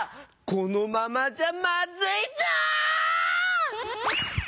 このままじゃまずいぞ！